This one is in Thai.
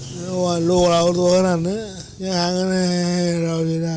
แล้วว่าโลกเราตัวขนาดนี้ย่าขนาดนี้เราจะได้